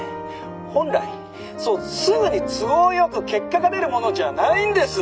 本来そうすぐに都合よく結果が出るものじゃないんです。